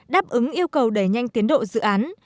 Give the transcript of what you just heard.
đáp ứng yêu cầu đẩy nhanh tiến độ dự án